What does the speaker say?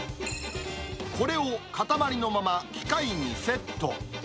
これを塊のまま、機械にセット。